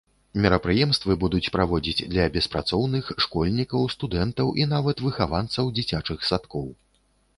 Мерапрыемствы будуць праводзіць для беспрацоўных, школьнікаў, студэнтаў і нават выхаванцаў дзіцячых садкоў.